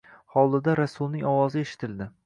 Hovlida Rasulning ovozi eshitildi